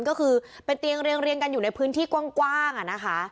ก็คือเป็นเตียงเรียงกันอยู่ในพื้นที่กว้างนะคะ